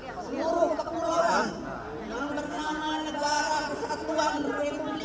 seluruh kepulauan yang bernama negara kesatuan republik indonesia